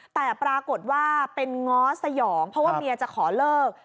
แต่ปรากฏเป็นหงอสยองเพราะเมียจะขอเลิก